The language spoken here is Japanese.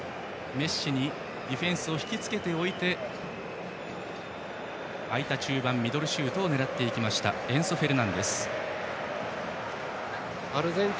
メッシにディフェンスを引き付かせておいて空いた中盤ミドルシュートを狙っていったエンソ・フェルナンデス。